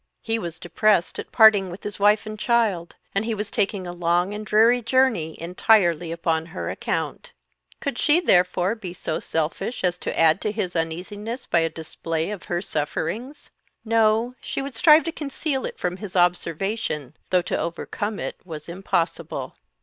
He was depressed at parting with his wife and child, and he was taking a long and dreary journey entirely upon her account. Could she therefore be so selfish as to add to his uneasiness by a display of her sufferings? No she would strive to conceal it from his observation, though to overcome it was impossible.